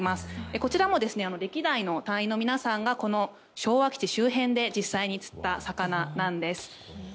こちらも歴代の隊員の皆さんがこの昭和基地周辺で実際に釣った魚なんです。